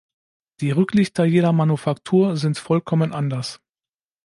Die Rücklichter jeder Manufaktur sind vollkommen anders.